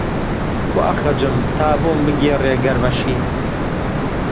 کوا «خەج»م تا بۆم بگێڕێ گەرمە شین؟!